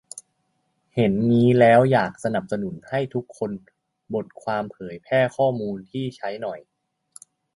เห็นงี้แล้วก็อยากสนับสนุนให้ทุกบทความเผยแพร่ข้อมูลที่ใช้หน่อย